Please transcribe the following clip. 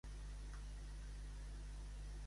Fa poc que les coneix l'home?